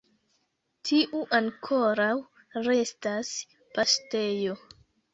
Tiu ankoraŭ restas paŝtejo.